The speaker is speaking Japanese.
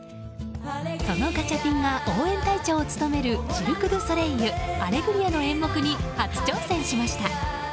そのガチャピンがおうえん隊長を務めるシルク・ドゥ・ソレイユ「アレグリア」の演目に初挑戦しました。